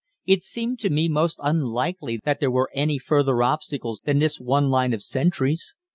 It seemed to me most unlikely that there were any further obstacles than this one line of sentries.